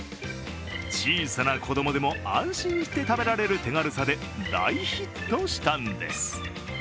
小さな子供でも安心して食べられる手軽さで大ヒットしたんです。